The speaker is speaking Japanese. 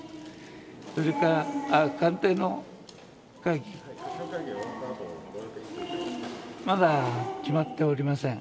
それから、官邸の会議はまだ決まっておりません。